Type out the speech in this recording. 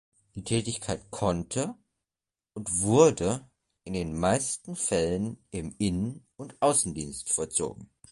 Die Tätigkeit konnte und wurde in den meisten Fällen im Innen- und Außendienst vollzogen.